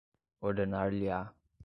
ordenar-lhe-á